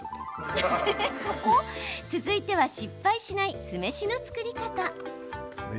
続いては失敗しない酢飯の作り方。